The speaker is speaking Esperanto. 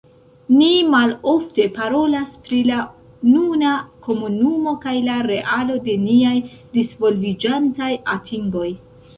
Ni malofte parolas pri la nuna komunumo kaj la realo de niaj disvolviĝantaj atingoj.